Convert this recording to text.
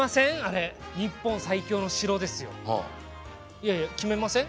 いやいや決めません？